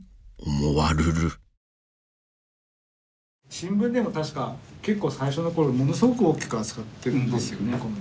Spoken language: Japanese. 新聞でも確か結構最初の頃ものすごく大きく扱ってるんですよね。